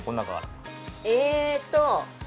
えーっと。